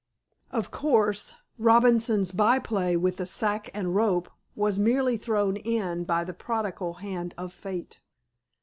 Of course, Robinson's by play with the sack and rope was merely thrown in by the prodigal hand of Fate."